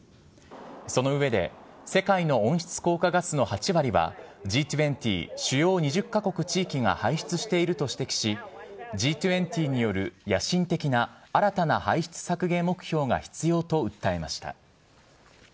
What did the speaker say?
その上で世界の温室効果ガスの８割はＧ２０＝主要２０カ国・地域が排出していると指摘しＧ２０による野心的な新たな排出削減目標が必要と訴えました。